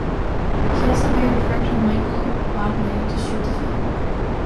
He also hired director Michael Wadleigh to shoot the film.